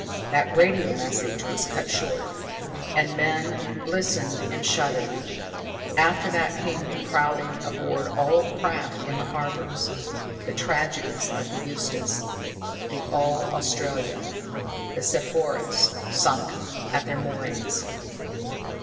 That radio message was cut short and men listened and shuddered. After that came the crowding aboard all craft in the harbors, the tragedies of the Eustis, the All Australia, the Sepphoris, sunk at their moorings.